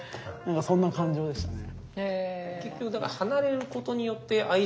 そんな感情でしたね。